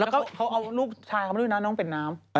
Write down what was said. แล้วก็เขาเอาลูกชายเหล้าน้องเป็นน้ำ